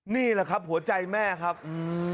นี่แหละครับหัวใจแม่ครับอืม